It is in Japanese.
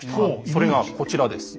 それがこちらです。